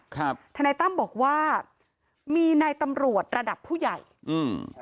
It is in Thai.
ทนายตั้มบอกว่ามีนายตำรวจระดับผู้ใหญ่อืม